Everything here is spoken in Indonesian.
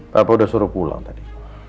papa udah suruh pulang tadi